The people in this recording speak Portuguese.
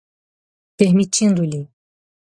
permitindo-lhe